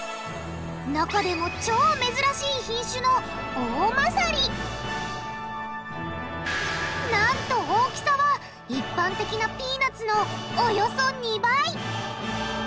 中でも超珍しい品種のなんと大きさは一般的なピーナツのおよそ２倍！